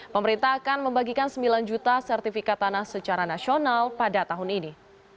pemerintah akan membagikan sembilan juta sertifikat tanah secara nasional pada tahun ini